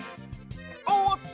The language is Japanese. おっと！